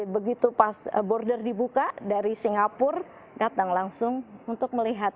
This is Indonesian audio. begitu pas border dibuka dari singapura datang langsung untuk melihat